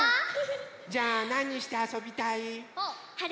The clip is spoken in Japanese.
じゃあなにしてあそびたい？はるきはね